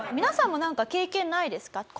皆さんもなんか経験ないですか？